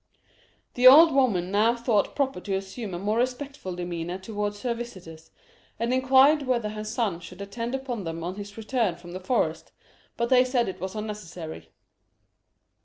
The old woman now thought proper to assume a more respectful demeanour towards her visitors, and inquired whether her son should attend upon them on his return from the forest, but they said it was unnecessary.